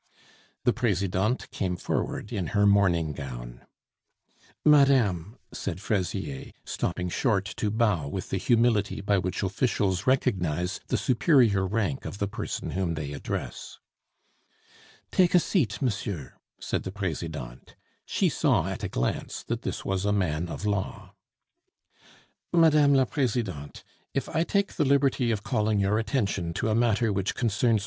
The Presidente came forward in her morning gown. "Madame " said Fraisier, stopping short to bow with the humility by which officials recognize the superior rank of the person whom they address. "Take a seat, monsieur," said the Presidente. She saw at a glance that this was a man of law. "Mme. la Presidente, if I take the liberty of calling your attention to a matter which concerns M.